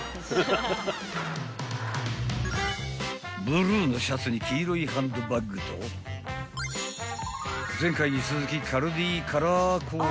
［ブルーのシャツに黄色いハンドバッグと前回に続きカルディカラーコーデでご来店］